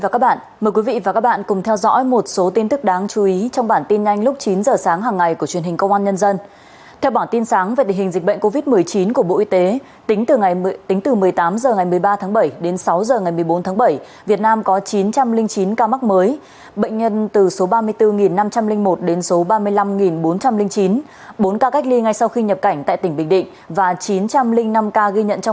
các bạn hãy đăng ký kênh để ủng hộ kênh của chúng mình nhé